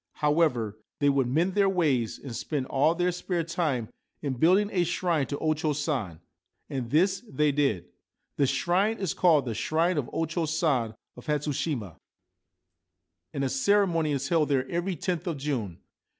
However, they would mend their ways, and spend all their spare time in building a shrine to O Cho San ; and this they did. The shrine is called ' The Shrine of O Cho San of Hatsushima,' 1 66 Sagami Bay and a ceremony is held there every lothof June.